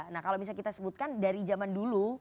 nah kalau misalnya kita sebutkan dari zaman dulu